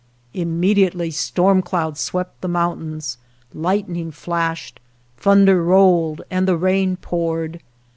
Immediately storm clouds swept the moun tains, lightning flashed, thunder rolled, and the rain poured.